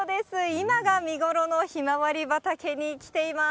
今が見頃のひまわり畑に来ています。